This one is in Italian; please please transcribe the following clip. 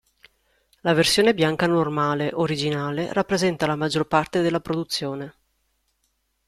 La versione bianca normale originale rappresenta la maggior parte della produzione.